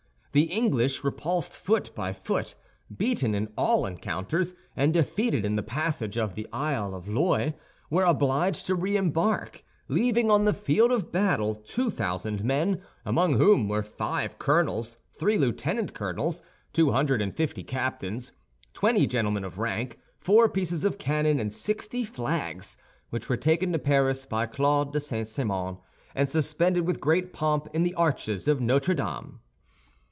The English, repulsed foot by foot, beaten in all encounters, and defeated in the passage of the Isle of Loie, were obliged to re embark, leaving on the field of battle two thousand men, among whom were five colonels, three lieutenant colonels, two hundred and fifty captains, twenty gentlemen of rank, four pieces of cannon, and sixty flags, which were taken to Paris by Claude de St. Simon, and suspended with great pomp in the arches of Notre Dame.